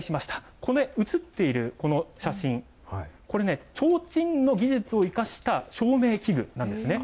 これ、写っているこの写真、これね、提灯の技術を生かした照明器具なんですね。